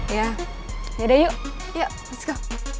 ya yaudah yuk yuk let's go